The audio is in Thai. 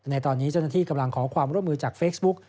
ในตอนนี้เจ้าหน้าที่กำลังขอความร่วมมือจากเฟซบุ๊ก